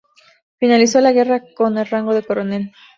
Finalizó la guerra con el rango de coronel.